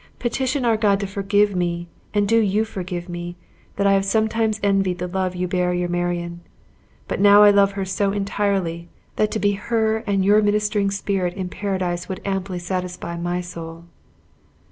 Petition our God to forgive me, and do you forgive me, that I have sometimes envied the love you bear your Marion! But now I love her so entirely, that to be her and your ministering spirit in Paradise would amply satisfy my soul."